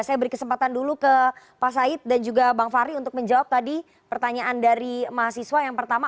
saya beri kesempatan dulu ke pak said dan juga bang fahri untuk menjawab tadi pertanyaan dari mahasiswa yang pertama